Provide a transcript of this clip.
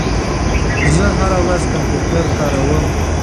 زه هره ورځ کمپیوټر کاروم.